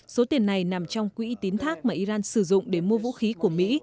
số tiền này nằm trong quỹ tín thác mà iran sử dụng để mua vũ khí của mỹ